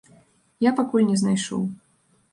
Я пакуль не знайшоў.